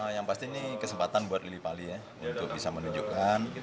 yang pasti ini kesempatan buat lili pali ya untuk bisa menunjukkan